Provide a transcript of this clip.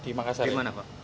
di makassar di mana pak